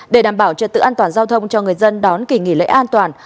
để đảm bảo trật tự an toàn giao thông cho người dân đón kỳ nghỉ lễ an toàn